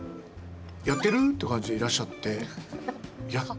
やってる？って感じでいらっしゃって。